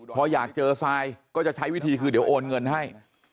พออยากเจอทรายก็จะใช้วิธีคือเดี๋ยวโอนเงินให้